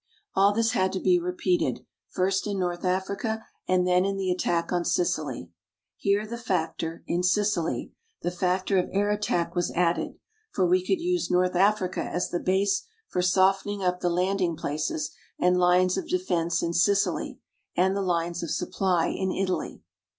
All this had to be repeated, first in North Africa and then in the attack on Sicily. Here the factor in Sicily the factor of air attack was added for we could use North Africa as the base for softening up the landing places and lines of defense in Sicily, and the lines of supply in Italy.